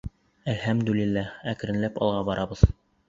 — Әл-хәмдү лил-ләһ, әкренләп алға барабыҙ.